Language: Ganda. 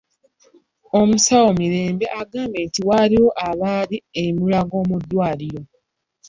Omusawo Mirembe agamba nti waliwo abali e Mulago mu ddwaliro.